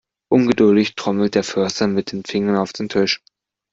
Ungeduldig trommelt der Förster mit den Fingern auf dem Tisch.